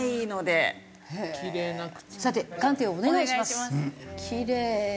さて鑑定をお願いします。